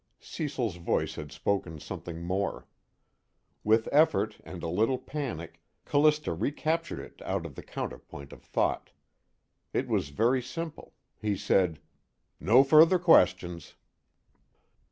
_ Cecil's voice had spoken something more. With effort and a little panic, Callista recaptured it out of the counterpoint of thought. It was very simple. He said: "No further questions."